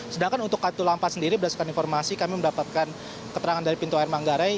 sedangkan untuk kartu lampa sendiri berdasarkan informasi kami mendapatkan keterangan dari pintu air manggarai